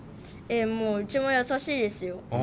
もううちも優しいですよ。